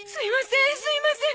すいません！